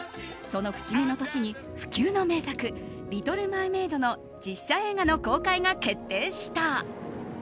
その節目の年に、不朽の名作「リトル・マーメイド」の実写映画の公開が決定した。